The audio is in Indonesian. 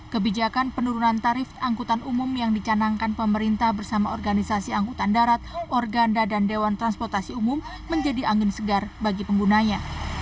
kebijakan penurunan tarif angkutan umum yang dicanangkan pemerintah bersama organisasi angkutan darat organda dan dewan transportasi umum menjadi angin segar bagi penggunanya